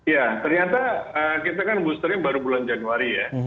ya ternyata kita kan boosternya baru bulan januari ya